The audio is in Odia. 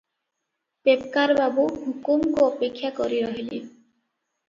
ପେପ୍କାର ବାବୁ ହୁକୁମକୁ ଅପେକ୍ଷା କରି ରହିଲେ ।